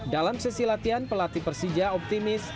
dalam sesi latihan pelatih persija optimis